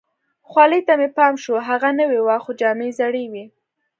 خولۍ ته مې پام شو، هغه نوې وه، خو جامې زړې وي.